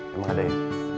emang ada ya